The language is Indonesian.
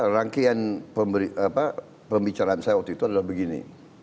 rangkaian pembicaraan saya waktu itu adalah begini